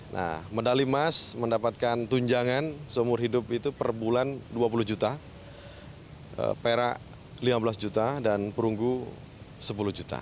nah medali emas mendapatkan tunjangan seumur hidup itu per bulan dua puluh juta perak lima belas juta dan perunggu sepuluh juta